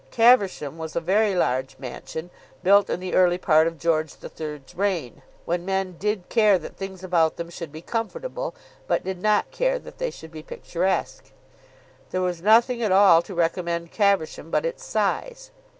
Caversham was a very large mansion, built in the early part of George III.'s reign, when men did care that things about them should be comfortable, but did not care that they should be picturesque. There was nothing at all to recommend Caversham but its size.